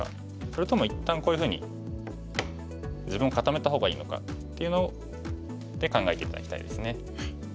それとも一旦こういうふうに自分を固めた方がいいのかっていうのをで考えて頂きたいですね。